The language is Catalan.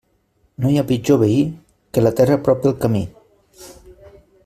No hi ha pitjor veí que la terra prop del camí.